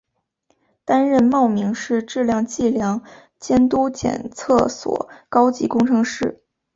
担任茂名市质量计量监督检测所高级工程师。